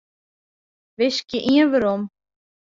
Wiskje ien werom.